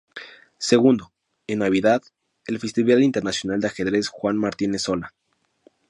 Segundo, en Navidad, el Festival Internacional de Ajedrez Juan Martínez Sola.